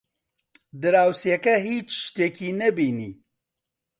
دراوسێکە هیچ شتێکی نەبینی.